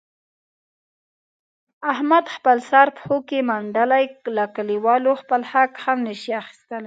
احمد خپل سر پښو کې منډلی، له کلیوالو خپل حق هم نشي اخستلای.